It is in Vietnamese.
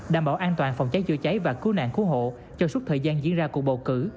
đảm bảo an toàn phòng cháy chữa cháy và cứu nạn cứu hộ trong suốt thời gian diễn ra cuộc bầu cử